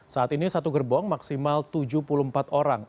saat ini satu gerbong maksimal tujuh puluh empat orang